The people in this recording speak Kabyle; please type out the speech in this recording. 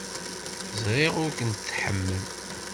Ẓriɣ ur ken-tḥemmel.